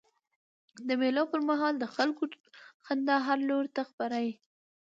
د مېلو پر مهال د خلکو خندا هر لور ته خپره يي.